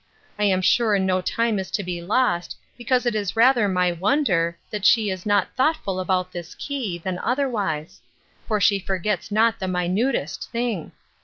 —I am sure no time is to be lost, because it is rather my wonder, that she is not thoughtful about this key, than otherwise; for she forgets not the minutest thing.